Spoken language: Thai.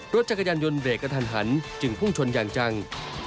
รถจักรยานยนต์เบรกกระทันหันจึงพุ่งชนอย่างจัง